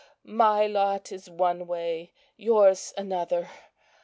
my lot is one way, yours another.